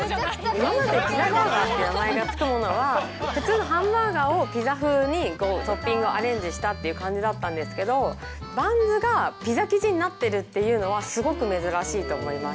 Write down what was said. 今までピザバーガーって名前が付くものは普通のハンバーガーをピザ風にトッピングをアレンジしたっていう感じだったんですけど、バンズがピザ生地になってるっていうのは、すごく珍しいと思います。